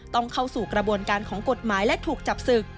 เข้าสู่กระบวนการของกฎหมายและถูกจับศึก